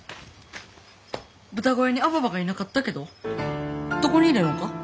豚小屋にアババがいなかったけどどこにいるのか？